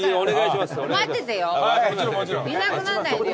いなくなんないでよ。